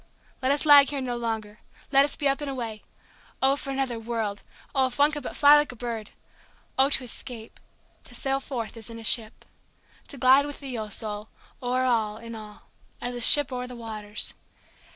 let us lag here no longer—let us be up and away!O for another world! O if one could but fly like a bird!O to escape—to sail forth, as in a ship! To glide with thee, O Soul, o'er all, in all, as a ship o'er the waters!